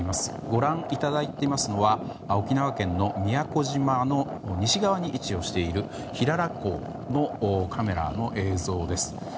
ご覧いただいていますのは沖縄県の宮古島の西側に位置をしている平良港のカメラの映像です。